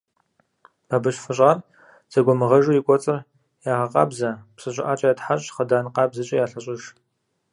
Бабыщ фыщӏар зэгуамыгъэжу и кӏуэцӏыр ягъэкъабзэ, псы щӀыӀэкӀэ ятхьэщӀ, хъыдан къабзэкӀэ ялъэщӀыж.